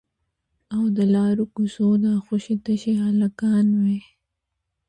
او د لارو کوڅو دا خوشي تشي هلکان مې